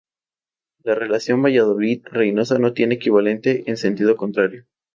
La relación Valladolid-Reinosa no tiene equivalente en sentido contrario.